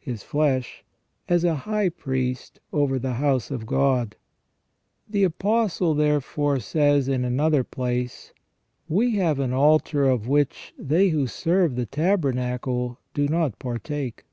His flesh, as " a high priest over the house of God ". The Apostle therefore says, in another place : 372 THE REGENERATION OF MAN " We have an altar of which they who serve the tabernacle do not partake